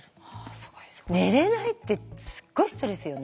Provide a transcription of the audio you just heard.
寝れないってすっごいストレスよね。